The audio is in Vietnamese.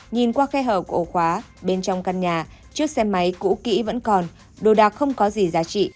nhìn qua khe hở của ổ khóa bên trong căn nhà chiếc xe máy cũ kỹ vẫn còn đồ đạc không có gì giá trị